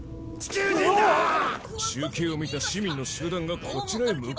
中継を見た市民の集団がこちらへ向かっているだと！？